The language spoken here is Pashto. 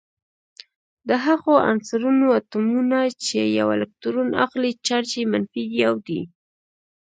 د هغو عنصرونو اتومونه چې یو الکترون اخلي چارج یې منفي یو دی.